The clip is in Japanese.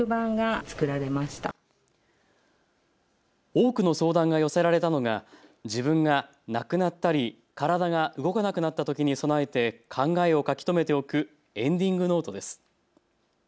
多くの相談が寄せられたのが自分が亡くなったり体が動かなくなったときに備えて考えを書き留めておくエンディングノートです。